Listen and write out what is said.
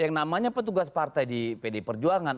yang namanya petugas partai di pd perjuangan